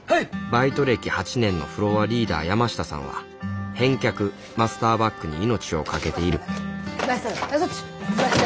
バイト歴８年のフロアリーダー山下さんは返却マスターバックに命を懸けているマスターバックはいそっち。